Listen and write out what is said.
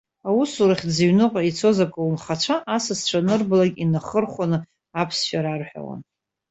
Аусурахьтә зыҩныҟа ицоз аколнхацәа, асасцәа анырбалакь инахырхәаны аԥсшәа рарҳәауан.